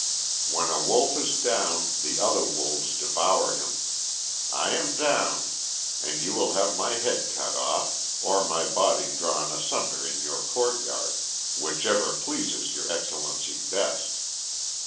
When a wolf is down, the other wolves devour him. I am down, and you will have my head cut off, or my body drawn asunder in your courtyard, whichever pleases your Excellency best.